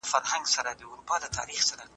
په خپلو اخلاقو کي به ښه والی راولئ.